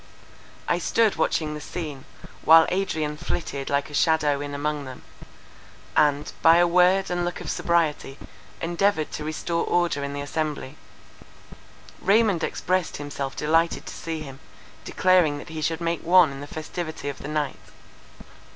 I stood watching the scene, while Adrian flitted like a shadow in among them, and, by a word and look of sobriety, endeavoured to restore order in the assembly. Raymond expressed himself delighted to see him, declaring that he should make one in the festivity of the night.